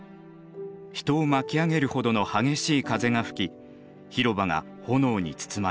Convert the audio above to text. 人を巻き上げるほどの激しい風が吹き広場が炎に包まれます。